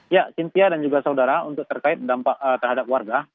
ya cynthia dan juga saudara untuk terkait terhadap warga